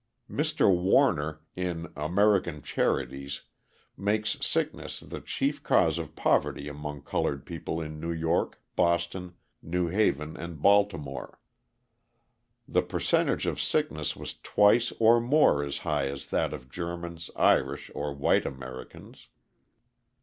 Mr. Warner, in American Charities, makes sickness the chief cause of poverty among coloured people in New York, Boston, New Haven, and Baltimore. The percentage of sickness was twice or more as high as that of Germans, Irish, or white Americans.